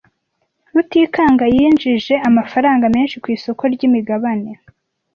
Rutikanga yinjije amafaranga menshi ku isoko ryimigabane.